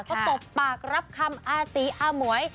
ก็ตบปากรับคำอาตีอาหมวย